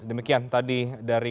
demikian tadi dari